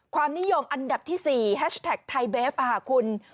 ความนิยมอันดับที่๔แฮชแท็กไทยเบฟค่ะคุณ